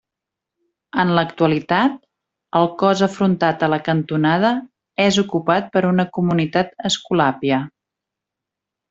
En l'actualitat, el cos afrontat a la cantonada és ocupat per una comunitat escolàpia.